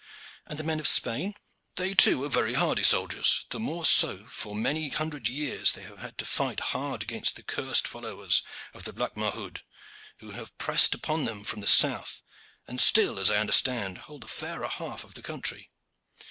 "And the men of Spain?" "They too are very hardy soldiers, the more so as for many hundred years they have had to fight hard against the cursed followers of the black Mahound, who have pressed upon them from the south, and still, as I understand, hold the fairer half of the country.